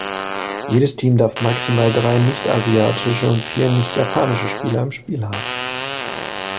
Jedes Team darf maximal drei nicht-asiatische und vier nicht-japanische Spieler im Spiel haben.